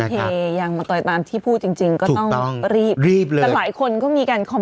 ถ้าเทยางมาต่อยตอนที่พูดจริงจริงก็ต้องถูกต้องรีบเลยหลายคนก็มีการ